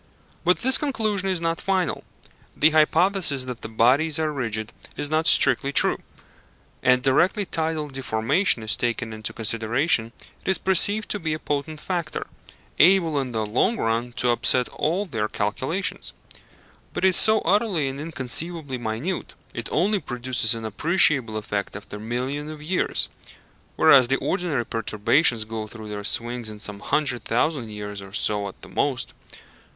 But this conclusion is not final. The hypothesis that the bodies are rigid is not strictly true: and directly tidal deformation is taken into consideration it is perceived to be a potent factor, able in the long run to upset all their calculations. But it is so utterly and inconceivably minute it only produces an appreciable effect after millions of years whereas the ordinary perturbations go through their swings in some hundred thousand years or so at the most.